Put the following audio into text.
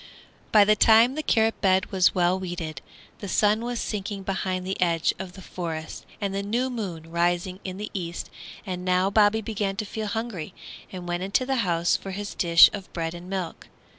By the time the carrot bed was all weeded, the sun was sinking behind the edge of the forest and the new moon rising in the east, and now Bobby began to feel hungry and went into the house for his dish of bread and milk.